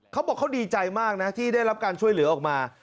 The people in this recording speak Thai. เขาบอกเขาดีใจมากนะที่ได้รับการช่วยเหลือออกมา